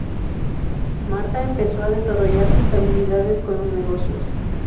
Martha empezó a desarrollar sus habilidades con los negocios.